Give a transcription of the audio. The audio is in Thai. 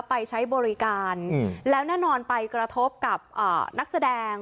ไปใช้บริการแล้วแน่นอนไปกระทบกับนักแสดง